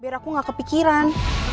biar aku gak kepikiran